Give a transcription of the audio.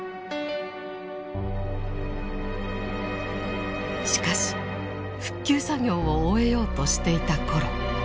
しかし復旧作業を終えようとしていた頃。